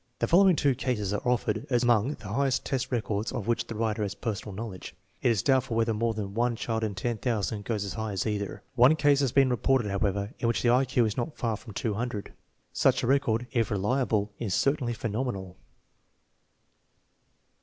The following two pases are offered as among the highest test records of which tike writer has personal knowledge. It is doubtful whether m6re than one child in 10,000 goes as high as either. One case has been reported, however, in which the I Q was not far from 200. Such a record, if reliable, is certainly phenomenal.